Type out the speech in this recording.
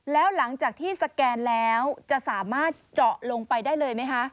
แล้วหลังจากที่สแกนแล้วจะสามารถเจาะลงไปได้เลยไหมคะ